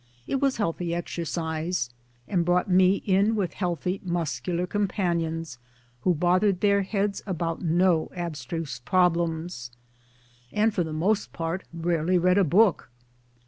It was healthy exercise, and brought me in with healthy muscular companions who bothered their heads about no abstruse problems, and for the most part rarely read a book.